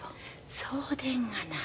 そうでんがな。